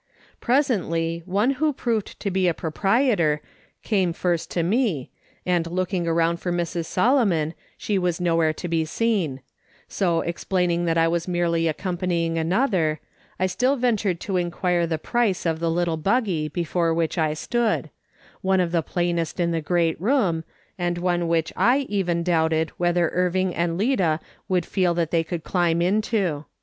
Presently one who proved to be a proprietor, came first to me, and looking around for Mrs. Soiomon, she was nowhere to be seen ; so explaining that I was merely accompanying another, I still ventured to inquire the price of the little buggy before which I stood, one of the plainest in the great room, and one which I even doubted whether Irving and Lida would feel that they could climb into.